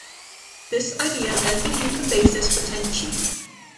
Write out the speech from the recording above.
This idea then became the basis for Tenchi.